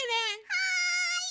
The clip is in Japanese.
はい！